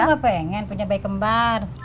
aku gak pengen punya bayi kembar